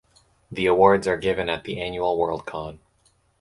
The awards are given at the Annual Worldcon.